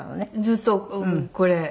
ずっとこれ。